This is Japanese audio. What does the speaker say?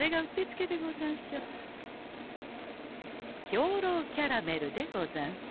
兵糧キャラメルでござんす。